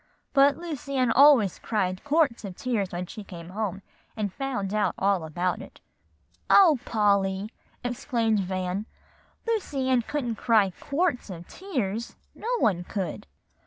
But Lucy Ann always cried quarts of tears when she came home, and found out about it." "O Polly!" exclaimed Van, "Lucy Ann couldn't cry quarts of tears no one could."